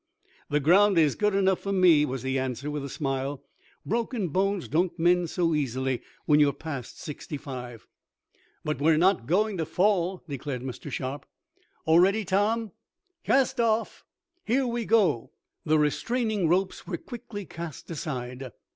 "The ground is good enough for me," was the answer, with a smile. "Broken bones don't mend so easily when you're past sixty five." "But we're not going to fall!" declared Mr. Sharp. "All ready, Tom. Cast off! Here we go!" The restraining ropes were quickly cast aside.